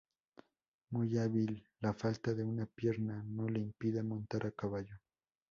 Muy hábil, la falta de una pierna no le impide montar a caballo.